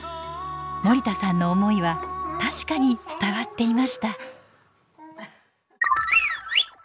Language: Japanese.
森田さんの思いは確かに伝わっていました。